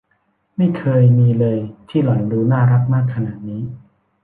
ไม่เคยมีเลยที่หล่อนดูน่ารักมากขนาดนี้